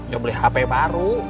ya beli handphone baru